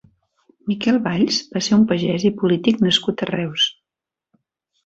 Miquel Valls va ser un pagès i polític nascut a Reus.